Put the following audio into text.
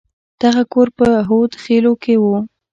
دغه کور په هود خيلو کښې و.